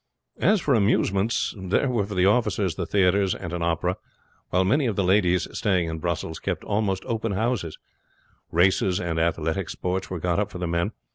As for amusements, there were for the officers the theaters and an opera, while many of the ladies staying in Brussels kept almost open houses; races and athletic sports were got up for the men.